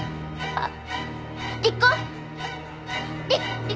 あっ！